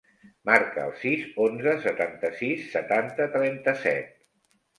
Marca el sis, onze, setanta-sis, setanta, trenta-set.